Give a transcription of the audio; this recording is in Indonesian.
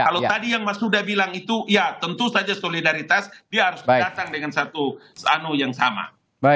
kalau tadi yang mas huda bilang itu ya tentu saja solidaritas dia harus datang dengan satu yang sama